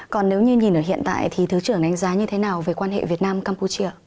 còn nếu như nhìn ở hiện tại thì thứ trưởng đánh giá như thế nào về quan hệ việt nam campuchia